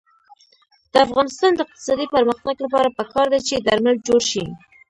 د افغانستان د اقتصادي پرمختګ لپاره پکار ده چې درمل جوړ شي.